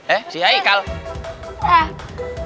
eh si hai kalau